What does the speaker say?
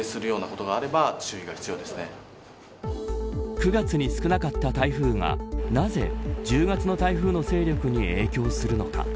９月に少なかった台風がなぜ１０月の台風の勢力に影響するのか。